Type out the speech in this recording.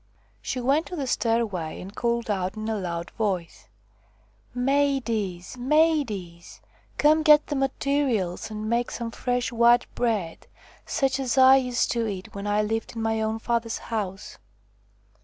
She went to the stairway and called out in a loud voice :" Maidies ! maidies ! come get the materials and make some fresh white bread, such as I used to eat when I lived in my own father's house